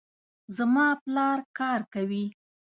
زما پلار کار کوي